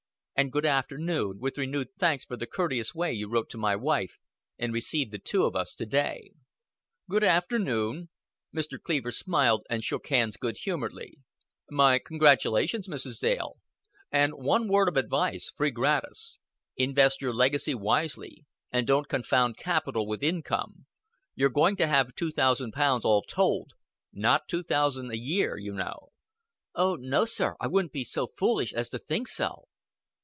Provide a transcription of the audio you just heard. And good afternoon with renewed thanks for the courteous way you wrote to my wife, and received the two of us to day." "Good afternoon." Mr. Cleaver smiled and shook hands good humoredly. "My congratulations, Mrs. Dale; and one word of advice, free gratis. Invest your legacy wisely, and don't confound capital with income. You're going to have two thousand pounds all told, not two thousand a year, you know." "Oh, no, sir I wouldn't be so foolish as to think so."